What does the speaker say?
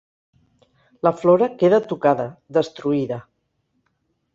La flora queda tocada, destruïda...